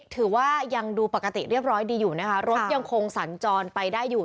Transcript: ถือว่ายังดูปกติเรียบร้อยดีอยู่นะคะรถยังคงสัญจรไปได้อยู่